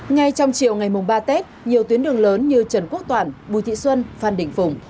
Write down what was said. ngay trong chiều ngày mùng ba tết nhiều tuyến đường lớn như trần quốc toàn bùi thị xuân phan đình phùng